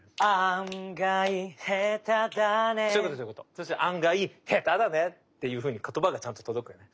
そうすると「案外、下手だね」っていうふうに言葉がちゃんと届くよね。